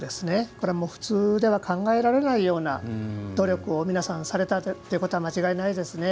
普通では考えられないような努力を皆さんされたのは間違いないですね。